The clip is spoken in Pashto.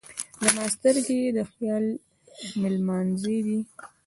زما سترګې یې د خیال مېلمانځی دی.